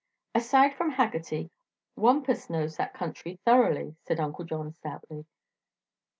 "Aside from Haggerty, Wampus knows that country thoroughly," said Uncle John stoutly.